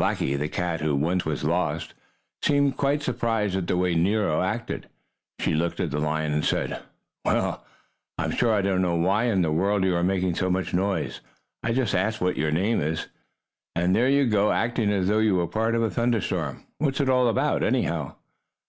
Blackie, the cat who was once lost, seemed quite surprised at the way Nero acted. She looked at the lion and said: "Well, I'm sure I don't know why in the world you are making so much noise. I just asked what your name was, and there you go acting as though you were a part of a thunderstorm. What's it all about, anyhow?"